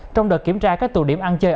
trong đợt kiểm tra các tù điểm ăn chơi